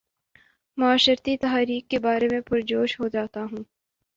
معاشرتی تحاریک کے بارے میں پر جوش ہو جاتا ہوں